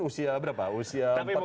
usia berapa usia empat puluh tahun